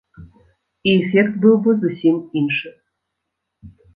І эфект быў бы зусім іншы.